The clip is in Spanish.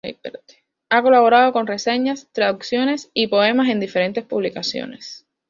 Ha colaborado con reseñas, traducciones y poemas en diferentes publicaciones.